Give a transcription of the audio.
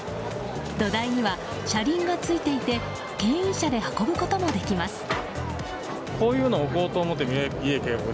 土台には車輪がついていて牽引車で運ぶこともできます。